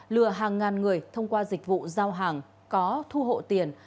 lừa hàng ngàn người thông qua dịch vụ giao hàng có thu hộ tiền